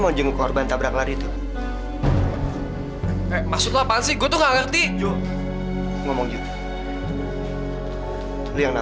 kalau motornya ada di dalam